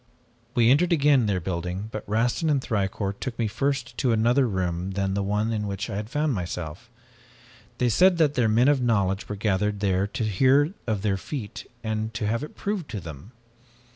"We entered again their building but Rastin and Thicourt took me first to another room than the one in which I had found myself. They said that their men of knowledge were gathered there to hear of their feat, and to have it proved to them.